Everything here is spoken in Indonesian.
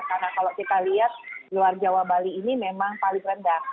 karena kalau kita lihat luar jawa bali ini memang paling rendah